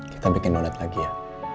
kita bikin download lagi ya